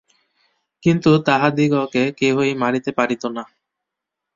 কিন্তু তাহাদিগকে কেহই মারিতে পারিত না।